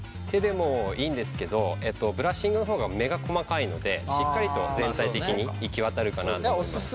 手でもいいんですけどブラシッングの方が目が細かいのでしっかりと全体的に行き渡るかなと思います。